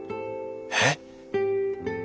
えっ！